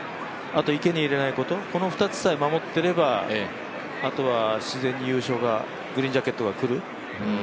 あと池に入れないこと、この２つさえ守っていればあとは自然に優勝が、グリーンジャケットが来る。